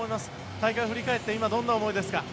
大会を振り返って、今、どんな思いですか？